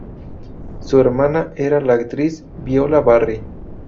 Su hermana era la actriz Viola Barry.